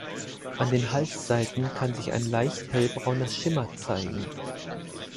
An den Halsseiten kann sich ein leicht hellbrauner Schimmer zeigen.